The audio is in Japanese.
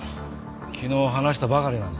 昨日話したばかりなんだ。